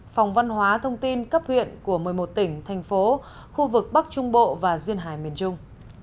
phòng văn hóa thông tin cấp huyện của một mươi một tỉnh thành phố khu vực bắc trung bộ và duyên hải miền trung